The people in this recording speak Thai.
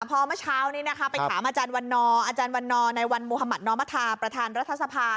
พอเมื่อเช้านี้นะครับไปถามอาจารย์วันนอนในวันมภนมประธานรัฐษภาค่ะ